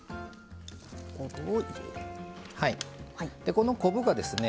この昆布がですね